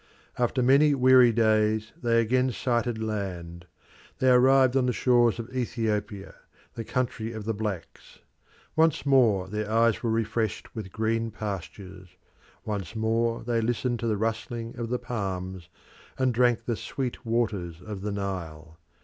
After many weary days they again sighted land; they arrived on the shores of Ethiopia, the country of the blacks. Once more their eyes were refreshed with green pastures; once more they listened to the rustling of the palms, and drank the sweet waters of the Nile.